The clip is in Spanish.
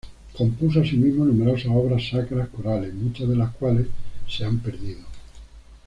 Compuso asimismo numerosas obras sacras corales, muchas de las cuales se han perdido.